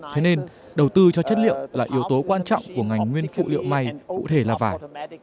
thế nên đầu tư cho chất liệu là yếu tố quan trọng của ngành nguyên phụ liệu may cụ thể là vải